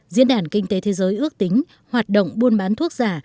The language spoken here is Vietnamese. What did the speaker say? diễn đàn kinh tế thế giới ước tính hoạt động buôn bán thuốc giả